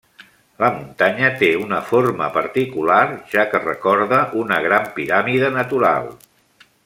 La muntanya té una forma particular, ja que recorda una gran piràmide natural.